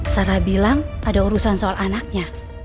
sarah bilang ada urusan soal anaknya